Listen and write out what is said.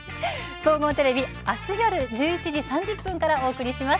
総合テレビ、あす夜１１時３０分からお送りします。